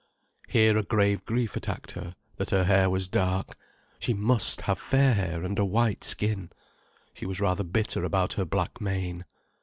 Here a grave grief attacked her: that her hair was dark. She must have fair hair and a white skin. She was rather bitter about her black mane.